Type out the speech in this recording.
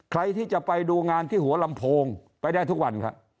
ใครที่จะไปดูงานที่หัวลำโพงไปได้ทุกวันครับ